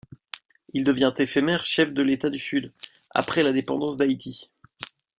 Il devient éphémère chef de l'État du sud, après l'indépendance d'Haïti.